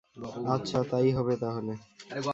আচ্ছা, তাই হবে তাহলে।